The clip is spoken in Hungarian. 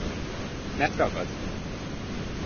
Mert ragad!